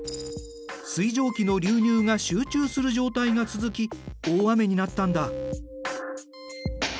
水蒸気の流入が集中する状態が続き大雨になったんだ。